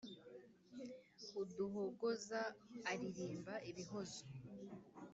Uduhogoza aririmba ibihozo